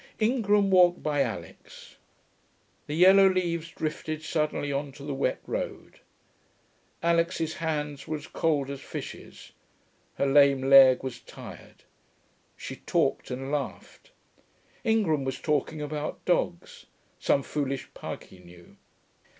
Ingram walked by Alix. The yellow leaves drifted suddenly on to the wet road. Alix's hands were as cold as fishes; her lame leg was tired. She talked and laughed. Ingram was talking about dogs some foolish pug he knew.